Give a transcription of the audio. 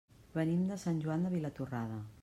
Venim de Sant Joan de Vilatorrada.